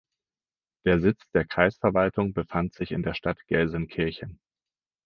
Der Sitz der Kreisverwaltung befand sich in der Stadt Gelsenkirchen.